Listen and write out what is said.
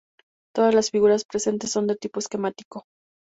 Todas las figuras presentes son de tipo esquemático.